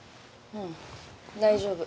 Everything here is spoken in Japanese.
うん大丈夫。